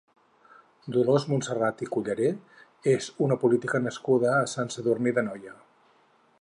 Dolors Montserrat i Culleré és una política nascuda a Sant Sadurní d'Anoia.